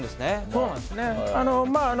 そうなんですよ。